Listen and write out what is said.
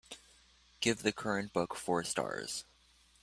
Give the current book four stars